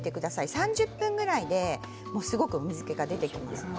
３０分ぐらいでものすごく水けが出てきますので。